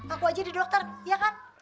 aku aja jadi dokter iya kan